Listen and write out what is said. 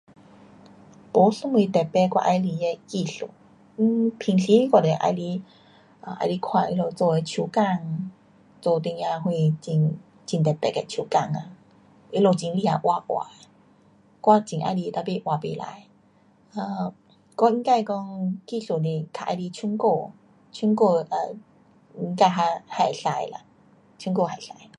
没什么特别我喜欢的艺术。um 平时我就喜欢 um 喜欢看他们做的手工，做一点什很，很特别的手工呐。他们很厉害画画，我很喜欢 tapi 画不来。um 我应该讲艺术是较喜欢唱歌。唱歌 um 应该还,还可以啦。唱歌还可以。